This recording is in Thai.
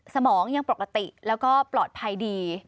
สมองยังปกติแล้วก็ปลอดภัยดี